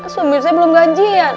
suami saya belum gaji ya